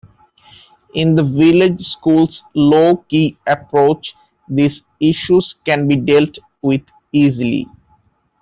In the Village School's low-key approach, these issues can be dealt with easily.